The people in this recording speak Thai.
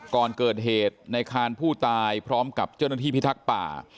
ก่อนเกิดเหตุในคานผู้ตายพร้อมกับเจ้าหน้าที่พิทักษ์ป่า